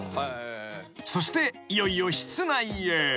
［そしていよいよ室内へ］